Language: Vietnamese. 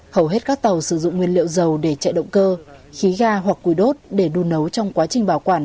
hầu hết các tàu sử dụng nguyên liệu dầu để chạy động cơ khí ga hoặc quỳ đốt để đun nấu trong quá trình bảo quản